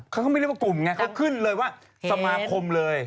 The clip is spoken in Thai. เขาไม่เรียกว่ากลุ่มไงเขาขึ้นเลยว่าสมาคมเลย